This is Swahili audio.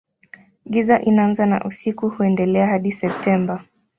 Giza inaanza na usiku huendelea hadi Septemba.